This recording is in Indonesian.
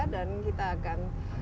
dan kita akan